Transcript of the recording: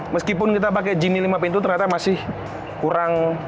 meskipun kita pakai jimmy lima pintu ternyata masih kurang